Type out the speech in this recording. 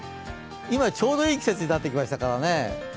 今、ちょうどいい季節になってきましたからね。